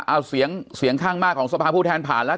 เอาเสียงเสียงข้างมากของสภาผู้แทนผ่านแล้ว